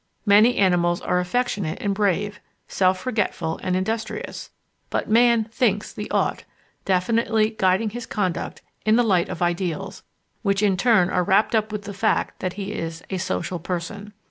Many animals are affectionate and brave, self forgetful and industrious, but man "thinks the ought," definitely guiding his conduct in the light of ideals, which in turn are wrapped up with the fact that he is "a social person."